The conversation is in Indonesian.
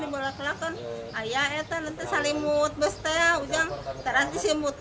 eha wanita lima puluh lima tahun ini mengaku terpaksa melepas pakaiannya yang terjepit jokbus